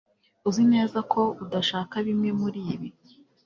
Uzi neza ko udashaka bimwe muribi